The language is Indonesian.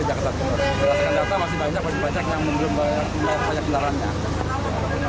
dirasakan data masih banyak banyak pajak yang belum bayar pajak kendaraannya